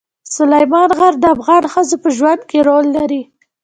سلیمان غر د افغان ښځو په ژوند کې رول لري.